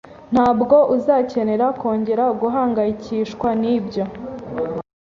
Ntabwo uzakenera kongera guhangayikishwa nibyo.